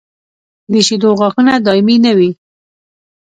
د شېدو غاښونه دایمي نه وي.